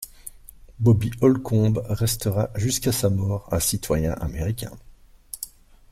Bobby Holcomb restera jusqu'à sa mort un citoyen américain.